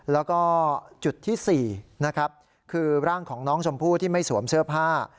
แล้วก็จุดที่๔นะครับคือร่างของน้องชมพู่ที่ไม่สวมเสื้อผ้า